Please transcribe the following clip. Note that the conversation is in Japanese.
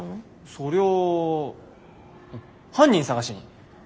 そりゃあ犯人捜しに。